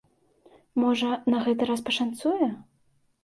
Можа, на гэты раз пашанцуе?